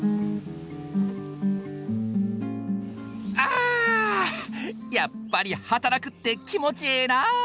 あやっぱり働くって気持ちええな。